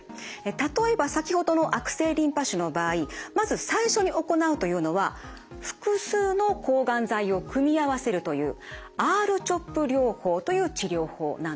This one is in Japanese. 例えば先ほどの悪性リンパ腫の場合まず最初に行うというのは複数の抗がん剤を組み合わせるというＲ−ＣＨＯＰ療法という治療法なんです。